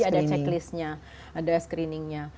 jadi ada checklistnya ada screeningnya